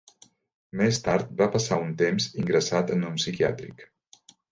Més tard, va passar un temps ingressat en un psiquiàtric.